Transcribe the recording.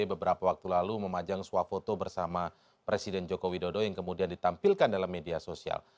beberapa waktu lalu memajang swafoto bersama presiden joko widodo yang kemudian ditampilkan dalam media sosial